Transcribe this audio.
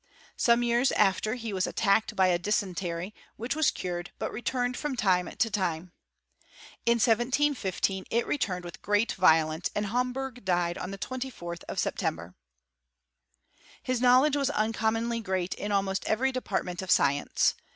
Some years after he was attacked by a dysentery, which was cured, but re turned from time to time. In 1715 it returned with great violence, and Homberg died on the 24th of September, His knowledge was nncommonly great in almost every department of science.